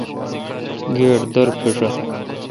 گیٹ در پیݭہ۔